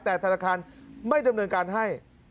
แต่ธนาคารไม่ดำเนินการให้